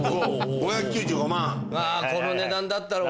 ５９５万。